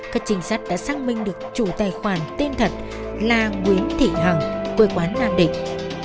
các trinh sát đã xác minh được chủ tài khoản tên thật là nguyễn thị hằng quê quán nam định